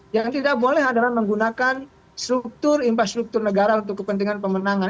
yang tidak boleh adalah menggunakan struktur infrastruktur negara untuk kepentingan pemenangan